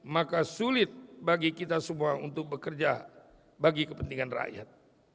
maka sulit bagi kita semua untuk bekerja bagi kepentingan rakyat